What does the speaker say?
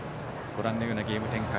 ご覧のようなゲーム展開。